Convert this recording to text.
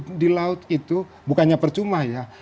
karena di laut itu bukannya percuma ya